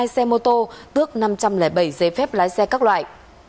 năm trăm ba mươi hai xe ô tô tước năm trăm linh bảy dây phép lái xe các loại